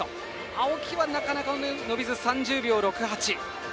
青木はなかなか伸びず３０秒６８。